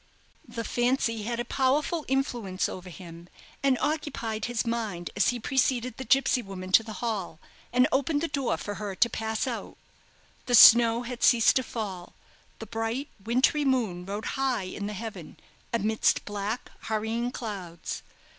The fancy had a powerful influence over him, and occupied his mind as he preceded the gipsy woman to the hall, and opened the door for her to pass out. The snow had ceased to fall; the bright wintry moon rode high in the heaven, amidst black, hurrying clouds.